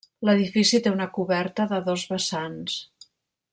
L'edifici té una coberta de dos vessants.